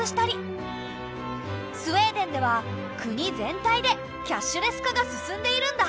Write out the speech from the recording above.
スウェーデンでは国全体でキャッシュレス化が進んでいるんだ。